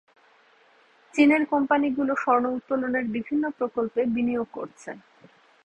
চীনের কোম্পানিগুলো স্বর্ণ উত্তোলনের বিভিন্ন প্রকল্পে বিনিয়োগ করছে।